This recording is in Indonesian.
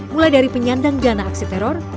mulai dari penyandang dana aksi teror